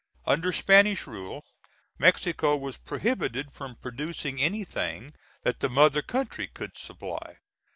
Under Spanish rule Mexico was prohibited from producing anything that the mother country could supply.